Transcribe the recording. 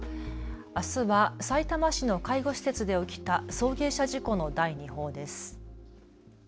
あすはさいたま市の介護施設で起きた送迎車事故の第二報です。